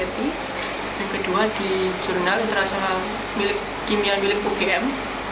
yang kedua di jurnal internasional kimia milik ugm